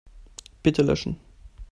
Bitte löschen.